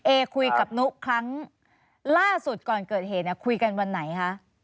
เอคุยกับนุครั้งล่าสุดก่อนเกิดเหตุเนี่ยคุยกันวันไหนคะ